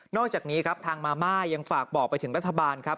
อกจากนี้ครับทางมาม่ายังฝากบอกไปถึงรัฐบาลครับ